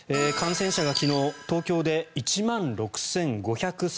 感染者が昨日、東京で１万６５３８人。